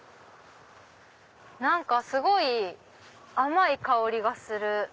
何かすごい甘い香りがする。